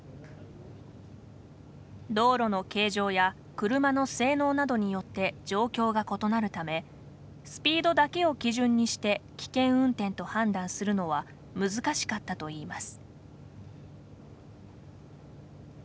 道路の形状や車の性能などによって状況が異なるためスピードだけを基準にして危険運転と判断するのは難しかったといいます。